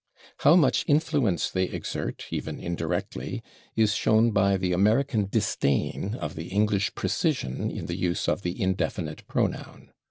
How much influence they exert, even [Pg147] indirectly, is shown by the American disdain of the English precision in the use of the indefinite pronoun.